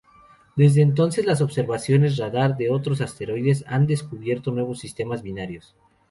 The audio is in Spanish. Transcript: Desde entonces las observaciones radar de otros asteroides han descubierto nuevos sistemas binarios.